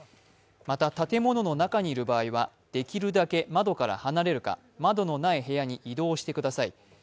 また、建物の中にいる場合にはできるだけ窓から離れるか窓のない部屋に移動してください。